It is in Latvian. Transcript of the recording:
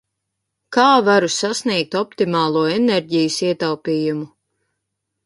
Kā varu sasniegt optimālo enerģijas ietaupījumu?